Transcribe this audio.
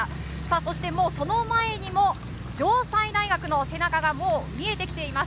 そしてその前にも城西大学の背中が見えてきています。